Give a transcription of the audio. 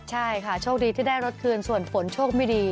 ใช่ค่ะโชคดีที่ได้รถคืนส่วนฝนโชคไม่ดี